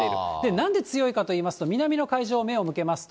なんで強いかといいますと、南の海上、目を向けますと。